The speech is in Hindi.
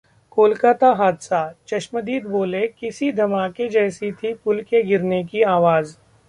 कोलकाता हादसा: चश्मदीद बोले- किसी धमाके जैसी थी पुल के गिरने की आवाज